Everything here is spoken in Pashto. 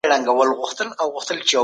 هغه کتاب چي ما خوښاوه اوس راسره نسته.